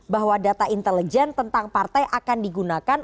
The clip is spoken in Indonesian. bahwa data intelijen tentang partai akan digunakan